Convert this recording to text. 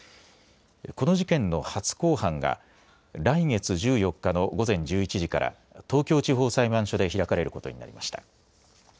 この事件の初公判が来月１４日の午前１１時から東京地方裁判所で開かれることになりました。